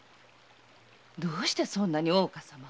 どうしてそんなに大岡様を？